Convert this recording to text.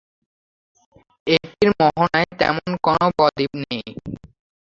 এটির মোহানায় তেমন কোন ব-দ্বীপ নেই।